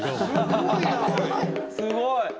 すごい！